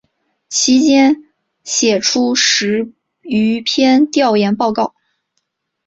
其间写出十余篇调研报告。